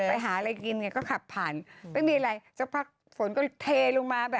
ไปหาอะไรกินไงก็ขับผ่านไม่มีอะไรสักพักฝนก็เลยเทลงมาแบบ